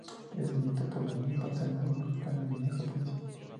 Es nieto por la vía paterna de un mexicano y de una japonesa.